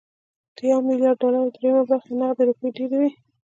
د يو ميليارد ډالرو درېيمه برخه نغدې روپۍ ډېرې وي